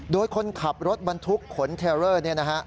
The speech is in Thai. โดยคนขับรถบรรทุกขนเทรเลอร์เนี่ยนะฮะ